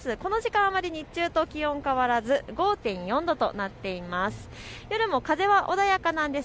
あまり日中と気温が変わらず５．４度となっています。